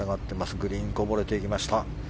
グリーンこぼれていきました。